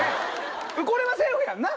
これはセーフやんな？